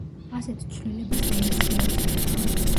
ასეთ ცვლილებას დელეცია ეწოდება.